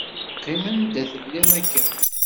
Qqim anda i telliḍ akken.